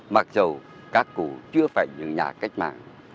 mặc dù các cụ chưa phải những nhà cách mạng